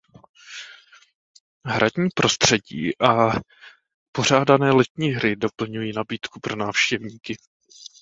Hradní prostředí a pořádané letní hry doplňují nabídku pro návštěvníky.